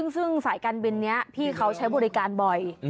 ซึ่งสายการบินนี้พี่เขาใช้บริการบ่อย